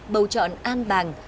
bầu chọn an bàng